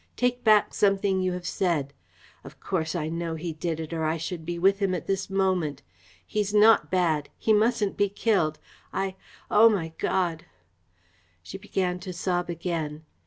Take back something you have said. Of course, I know he did it, or I should be with him at this moment. He's not bad. He mustn't be killed. I oh, my God!" She began to sob again.